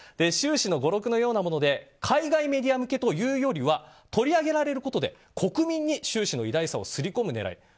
習氏の語録のようなもので海外メディア向けというよりは取り上げられることで国民に習氏の偉大さをすり込む狙い。